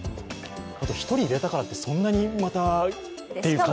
１人入れたからって、そんなにまたという感じも。